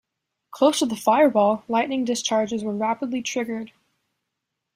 Close to the fireball, lightning discharges were rapidly triggered.